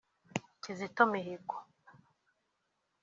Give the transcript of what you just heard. Kizito Mihigo